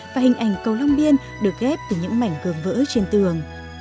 và hình ảnh câu long biên được ghép từ những mảnh gờm vỡ trên tường